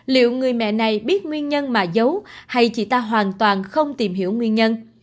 liệu người mẹ này biết nguyên nhân mà giấu hay chị ta hoàn toàn không tìm hiểu nguyên nhân